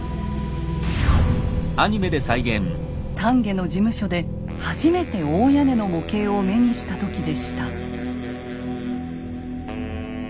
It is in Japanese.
丹下の事務所で初めて大屋根の模型を目にした時でした。